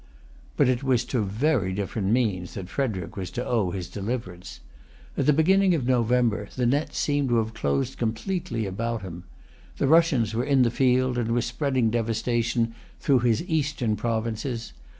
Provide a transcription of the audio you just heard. But it was to very different means that Frederic was to owe his deliverance. At the beginning of November, the net seemed to have closed completely round him. The Russians were in the field, and were spreading devastation through his eastern provinces.